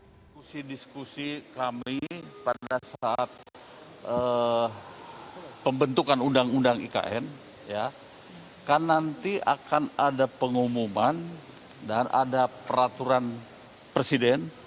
diskusi diskusi kami pada saat pembentukan undang undang ikn kan nanti akan ada pengumuman dan ada peraturan presiden